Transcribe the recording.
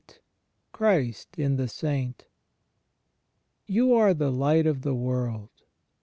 vm CHRIST IN THE SAINT You are the light of the world.